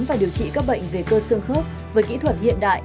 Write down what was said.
và điều trị các bệnh về cơ xương khớp với kỹ thuật hiện đại